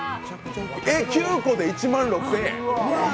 ９個で１万６０００円！？